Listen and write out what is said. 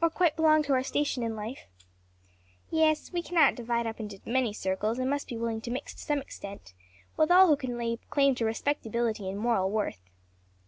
"Or quite belong to our station in life?" "Yes; we can not divide up into many circles, and must be willing to mix to some extent, with all who can lay claim to respectability and moral worth."